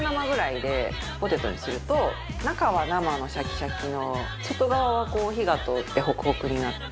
中は生のシャキシャキの外側はこう火が通ってホクホクになって。